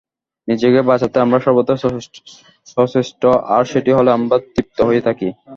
নিজেকে বাঁচাতে আমরা সর্বদা সচেষ্ট, আর সেটি হলেই আমরা তৃপ্ত হয়ে থাকি।